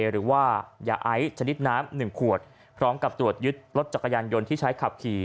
หรือว่ายาไอชนิดน้ำ๑ขวดพร้อมกับตรวจยึดรถจักรยานยนต์ที่ใช้ขับขี่